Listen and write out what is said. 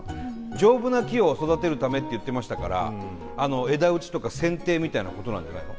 丈夫な木を育てるためって言ってましたから枝打ちとかせんていみたいなことなんじゃないの？